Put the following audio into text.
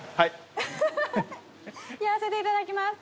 フフフやらせていただきます。